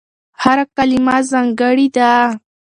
هره کلمه ځانګړې ده.